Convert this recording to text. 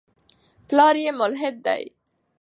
پلار یې ملحد دی.